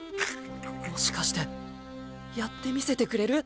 もしかしてやって見せてくれる？